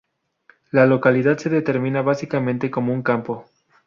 La localidad se determina básicamente como un campo.